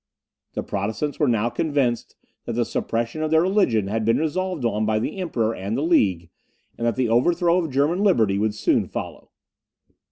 The Protestants were now convinced that the suppression of their religion had been resolved on by the Emperor and the League, and that the overthrow of German liberty would soon follow.